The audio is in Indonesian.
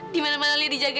di mana mana lia dijagain